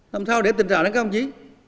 làm sao để tình trạng đó các ông chí